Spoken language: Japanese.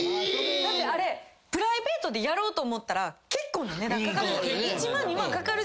だってあれプライベートでやろうと思ったら結構な値段かかる。